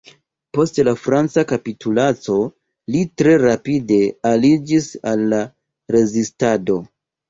Post la franca kapitulaco, li tre rapide aliĝis al la rezistado.